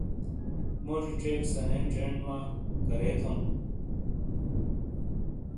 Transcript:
موزی ژیک سَنے چھین وا ۔کرے تھؤوں؟